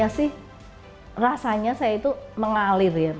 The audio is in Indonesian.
saya sih rasanya saya itu mengalir ya